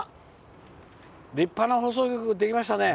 立派な放送局、できましたね。